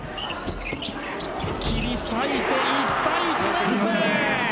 切り裂いていった、１年生！